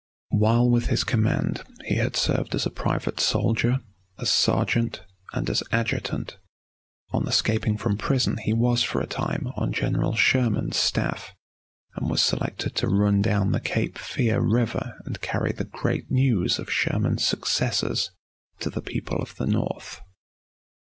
While with his command he had served as a private soldier, as sergeant, and as adjutant. On escaping from prison he was for a time on General Sherman's staff and was selected to run down the Cape Fear River and carry the great news of Sherman's successes to the people of the North.